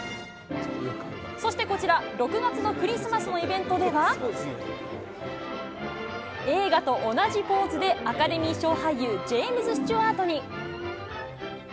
そしてこちら、６月のクリスマスのイベントでは、映画と同じポーズでアカデミー賞俳優、ジェームズ・スチュアートに。